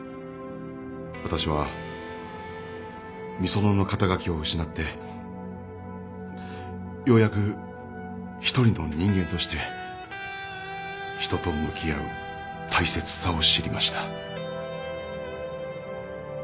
私はみそのの肩書を失ってようやく一人の人間として人と向き合う大切さを知りました。